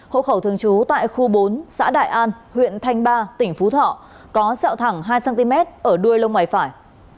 hộ khẩu thường trú tại khu bốn xã đại an huyện thanh ba tỉnh phú thọ có sẹo thẳng hai cm ở đuôi lông mày phải